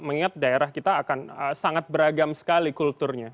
mengingat daerah kita akan sangat beragam sekali kulturnya